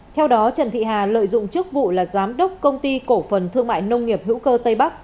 theo đó trần thị hà lợi dụng chức vụ là giám đốc công ty cổ phần thương mại nông nghiệp hữu cơ tây bắc